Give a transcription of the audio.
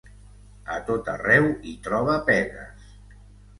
A tot arreu hi troba pegues.